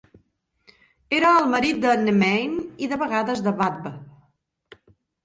Era el marit de Nemain, i de vegades de Badb.